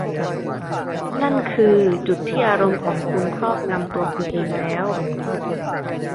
นั่นคือจุดที่อารมณ์ของคุณครอบงำตัวคุณเองแล้ว